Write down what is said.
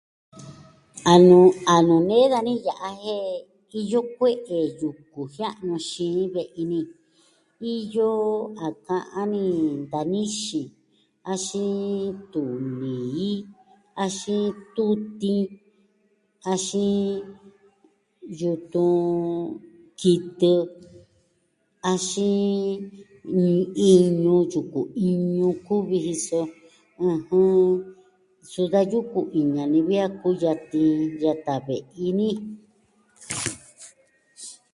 A nuu, a nuu nee dani ya'a jen, iyo kue'e yuku jia'nu xiin ve'i ni. Iyo a ka'an ni ntanixin, axin tunii, axin tutin, axin yutun kitɨ, axin iñu, yuku iñu kuvi ji, so ɨjɨn, suu da yuku iña ni vi a kuyatin yata ve'i ni.